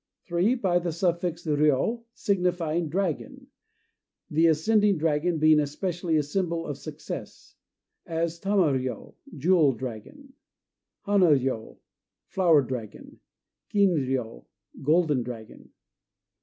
(3) By the suffix Ryô, signifying "Dragon" (the Ascending Dragon being especially a symbol of success); as Tama Ryô, "Jewel Dragon"; Hana Ryô, "Flower Dragon"; Kin Ryô, "Golden Dragon".